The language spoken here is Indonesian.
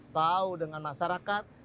tau dengan masyarakat